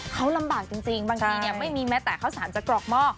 เขาลำบากจริงบางทีไม่มีแม้แต่ข้าวสารจะกรอกหม้อ